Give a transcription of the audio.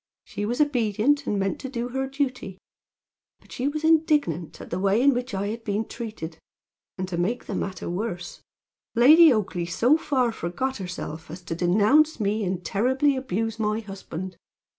"She was obedient, and meant to do her duty; but she was indignant at the way in which I had been treated; and, to make the matter worse, Lady Oakleigh so far forgot herself as to denounce me and terribly abuse my husband.